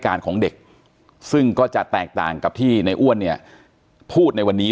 ของเด็กซึ่งก็จะแตกต่างกับที่ในอ้วนเนี่ยพูดในวันนี้